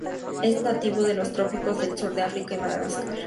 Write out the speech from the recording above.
Es nativo de los trópicos del sur de África y Madagascar.